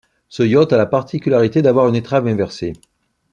Ce yacht a la particularité d'avoir une étrave inversée.